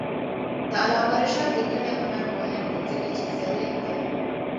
د علامه رشاد لیکنی هنر مهم دی ځکه چې صریح دی.